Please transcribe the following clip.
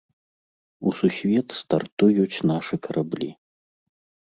У сусвет стартуюць нашы караблі.